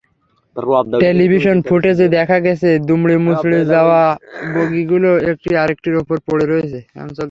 Television ফুটেজে দেখা গেছে, দুমড়েমুচড়ে যাওয়া বগিগুলো একটি আরেকটির ওপর পড়ে রয়েছে।